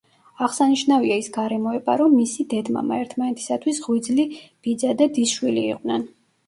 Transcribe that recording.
აღსანიშნავია ის გარემოება, რომ მისი დედ-მამა, ერთმანეთისათვის ღვიძლი ბიძა და დის შვილი იყვნენ.